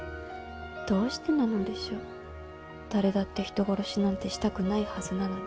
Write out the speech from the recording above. どうしてなのでしょう誰だって人殺しなんてしたくないはずなのに。